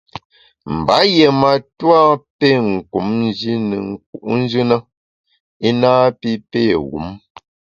Mba yié matua pé kum Nji ne nku’njù na i napi pé wum.